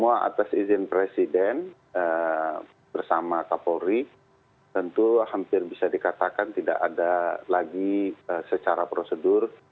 semua atas izin presiden bersama kapolri tentu hampir bisa dikatakan tidak ada lagi secara prosedur